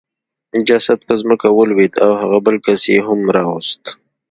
جسد په ځمکه ولوېد او هغه بل کس یې هم راوست